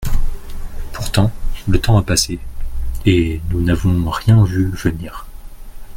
Pourtant, le temps a passé et nous n’avons rien vu venir.